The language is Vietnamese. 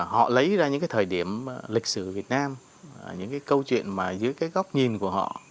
họ lấy ra những cái thời điểm lịch sử việt nam những cái câu chuyện mà dưới cái góc nhìn của họ